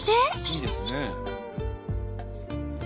いいですね。